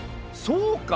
そうか！